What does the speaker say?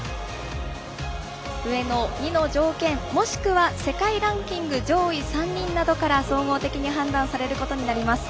上の２の条件もしくは世界ランキング上位３人などから総合的に判断されることになります。